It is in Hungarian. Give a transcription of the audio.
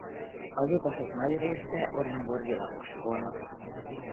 Az utasok nagy része orenburgi lakos volt.